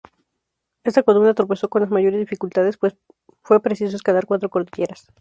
Esta columna tropezó con las mayores dificultades, pues fue preciso escalar cuatro cordilleras.